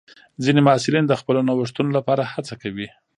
ځینې محصلین د خپلو نوښتونو لپاره هڅه کوي.